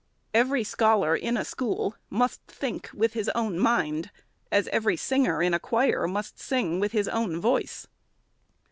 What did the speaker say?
Every scholar, in a school, must think with his own mind, as every singer, in a choir, must sing with his own voice.